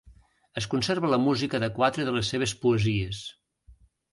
Es conserva la música de quatre de les seves poesies.